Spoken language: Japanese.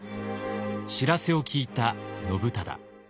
知らせを聞いた信忠。